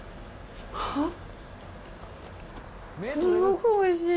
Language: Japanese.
すごくおいしい！